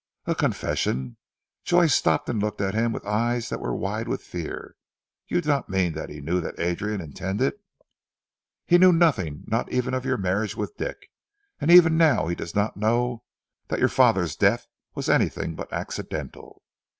"A confession!" Joy stopped and looked at him with eyes that were wide with fear. "You do not mean that he knew that Adrian intended " "He knew nothing, not even of your marriage with Dick, and even now he does not know that your father's death was anything but accidental.